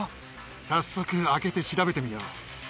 早速開けて調べてみよう。